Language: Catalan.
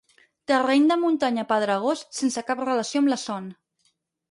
Terreny de muntanya pedregós sense cap relació amb la son.